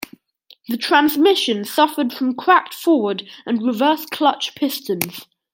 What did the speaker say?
The transmission suffered from cracked forward and reverse clutch pistons.